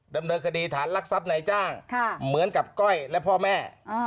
ดำเนินคดีฐานรักทรัพย์ในจ้างเหมือนกับก้อยและพ่อแม่